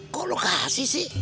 kok lo kasih sih